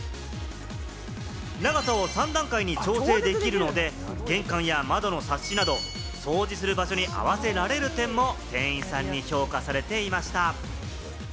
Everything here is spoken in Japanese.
長さを３段階に調整できるので、玄関や窓のサッシなど掃除する場所に合わせられる点も店員さんに評価されていました。